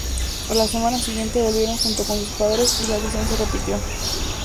A la semana siguiente volvieron junto con sus padres y la visión se repitió.